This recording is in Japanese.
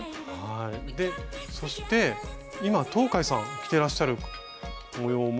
そして今東海さん着ていらっしゃる模様も。